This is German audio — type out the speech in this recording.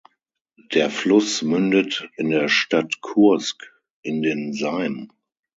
Der Fluss mündet in der Stadt Kursk in den Seim.